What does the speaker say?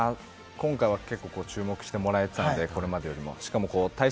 今回は注目してもらえていたので、これまでよりも。